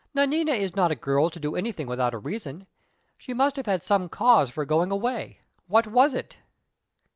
Nanina is not a girl to do anything without a reason. She must have had some cause for going away. What was it?"